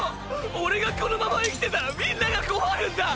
オレがこのまま生きてたらみんなが困るんだ！！